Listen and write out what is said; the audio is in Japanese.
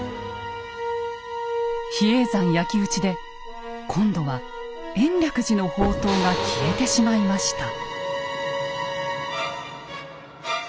比叡山焼き打ちで今度は延暦寺の法灯が消えてしまいました。